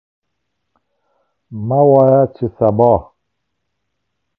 مه وایئ چې سبا.